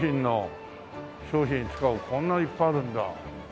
商品使うこんないっぱいあるんだ。